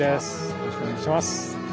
よろしくお願いします。